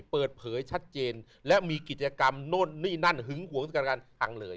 เปิดเผยชัดเจนและมีกิจกรรมโน่นนี่นั่นหึงหวงสวงการการอังเลย